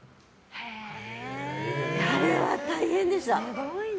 あれは大変でした。